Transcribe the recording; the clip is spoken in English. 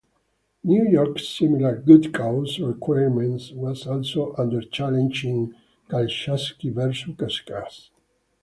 New York's similar "good cause" requirement was also under challenge in "Kachalsky versus Cacase.